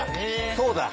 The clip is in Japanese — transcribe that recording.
そうだ。